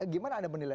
gimana anda menilai